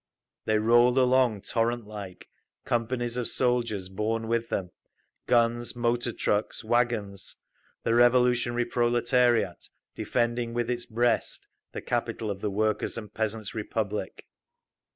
They rolled along torrent like, companies of soldiers borne with them, guns, motor trucks, wagons—the revolutionary proletariat defending with its breast the capital of the Workers' and Peasants' Republic!